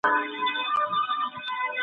لوېديځ پوهان سياست د نفوذ مبارزه ګڼي.